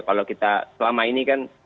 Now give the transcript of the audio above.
kalau kita selama ini kan